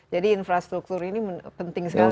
jadi infrastruktur ini penting sekali ya